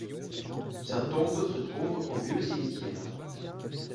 Sa tombe se trouve au Vieux Cimetière.